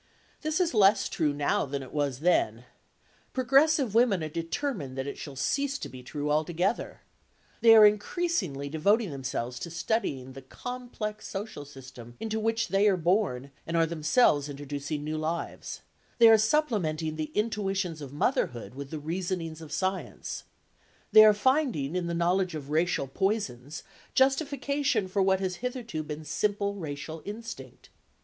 This is less true now than it was then. Progressive women are determined that it shall cease to be true altogether. They are increasingly devoting themselves to studying the complex social system into which they are born and are themselves introducing new lives; they are supplementing the intuitions of motherhood with the reasonings of science; they are finding in the knowledge of racial poisons justification for what has hitherto been simple racial instinct.